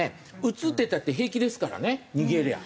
映ってたって平気ですからね逃げりゃ。